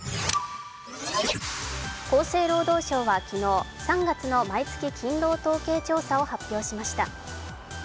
厚生労働省は昨日、３月の毎月勤労統計調査を発表しました。